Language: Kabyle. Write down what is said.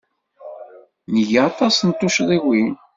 Nga aṭas n tuccḍiwin.